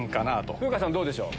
風花さんどうでしょう？